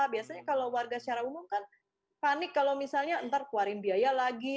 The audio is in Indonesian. biasanya kalau warga secara umum kan panik kalau misalnya ntar keluarin biaya lagi